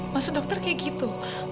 maksud dokter kayak gitu